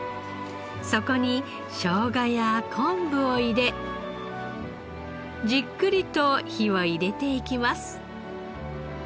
そこにしょうがや昆布を入れじっくりと火を入れていきます。